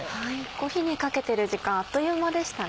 火にかけてる時間あっという間でしたね。